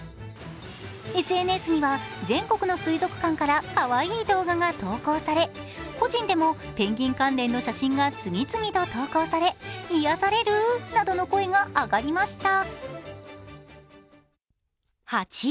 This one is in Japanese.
ＳＮＳには全国の水族館からかわいい動画が投稿され、個人でもペンギン関連の写真が次々と投稿され癒やされるなどの声が上がりました。